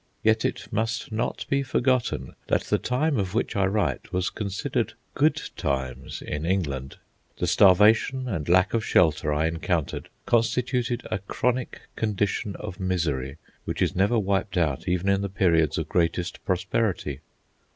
Yet it must not be forgotten that the time of which I write was considered "good times" in England. The starvation and lack of shelter I encountered constituted a chronic condition of misery which is never wiped out, even in the periods of greatest prosperity.